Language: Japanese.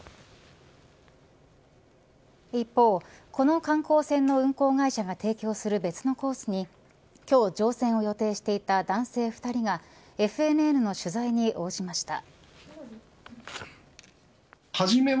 一方、この観光船の運航会社が提供する別のコースに今日、乗船を予定していた男性２人がＦＮＮの取材に応じました。